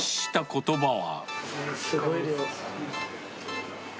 すごい量。